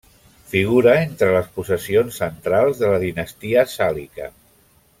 Figura entre les possessions centrals de la Dinastia Sàlica.